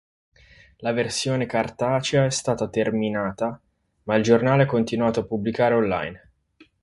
La versione cartacea è stata terminata ma il giornale ha continuato a pubblicare online.